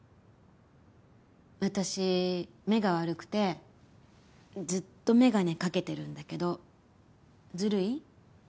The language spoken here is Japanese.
私目が悪くてずっと眼鏡かけてるんだけどずるい？